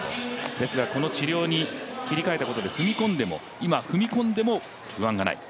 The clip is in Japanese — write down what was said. ですが、この治療に切り替えたことで今、踏み込んでも不安がない。